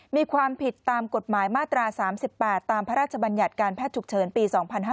มีความผิดตามกฎหมายมาตรา๓๘ตามพระราชบัญญัติการแพทย์ฉุกเฉินปี๒๕๕๙